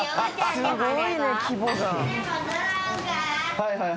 はいはい。